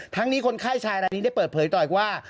นี้คนไข้ชายรายนี้ได้เปิดเผยต่ออีกว่า